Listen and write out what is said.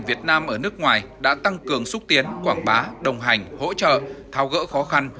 việt nam ở nước ngoài đã tăng cường xúc tiến quảng bá đồng hành hỗ trợ thao gỡ khó khăn